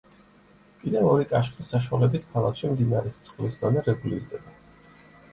კიდევ ორი კაშხლის საშუალებით ქალაქში მდინარის წყლის დონე რეგულირდება.